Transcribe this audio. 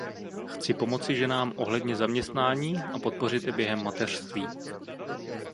Chci pomoci ženám ohledně zaměstnání a podpořit je během mateřství.